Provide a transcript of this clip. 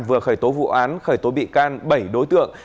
vừa khởi tố vụ án khởi tố bị can bảy đối tượng